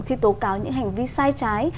khi tố cáo những hành vi sai trái